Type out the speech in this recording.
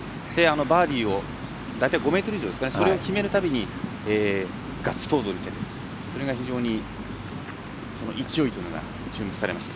バーディーを５ｍ以上決めるたびにガッツポーズを見せてそれが非常に勢いというのが注目されました。